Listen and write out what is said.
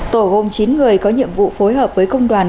tổ gồm chín người có nhiệm vụ phối hợp với công đoàn